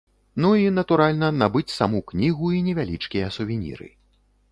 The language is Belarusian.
Ну і, натуральна, набыць саму кнігу і невялічкія сувеніры.